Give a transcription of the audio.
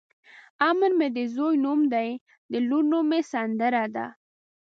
امن مې د ځوی نوم دی د لور نوم مې سندره ده.